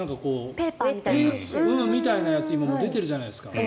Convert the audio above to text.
ペーパーみたいなやつ出てるじゃないですか。